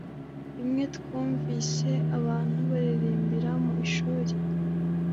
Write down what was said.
rimwe twumvise abantu baririmbira mu ishuri,